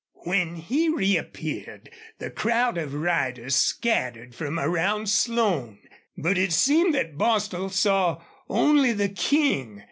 When he reappeared the crowd of riders scattered from around Slone. But it seemed that Bostil saw only the King.